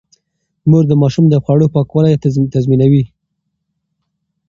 مور د ماشوم د خوړو پاکوالی تضمينوي.